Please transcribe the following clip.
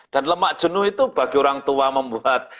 dan lemak jenuh itu bagi orang tua membuat